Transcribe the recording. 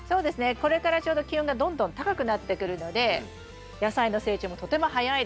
これからちょうど気温がどんどん高くなってくるので野菜の成長もとても早いです。